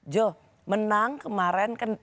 jo menang kemarin kan